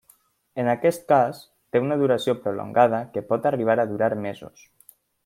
En aquest cas, té una duració prolongada que pot arribar a durar mesos.